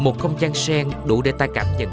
một không trang sen đủ để ta cảm nhận